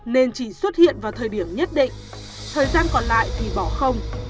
nên chỉ xuất hiện vào thời điểm nhất định thời gian còn lại thì bỏ không